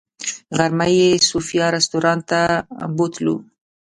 غرمه یې صوفیا رسټورانټ ته بوتلو.